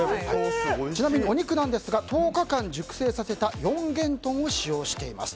ちなみにお肉なんですが１０日間熟成させた四元豚を使用しています。